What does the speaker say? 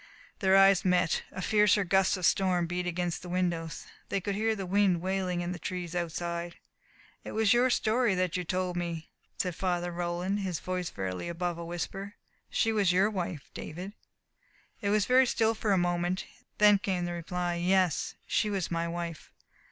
Their eyes met. A fiercer gust of the storm beat against the windows. They could hear the wind wailing in the trees outside. "It was your story that you told me," said Father Roland, his voice barely above a whisper. "She was your wife, David?" It was very still for a few moments. Then came the reply: "Yes, she was my wife...."